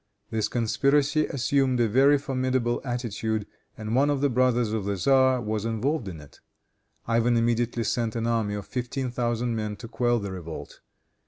This conspiracy assumed a very formidable attitude, and one of the brothers of the tzar was involved in it. Ivan immediately sent an army of fifteen thousand men to quell the revolt.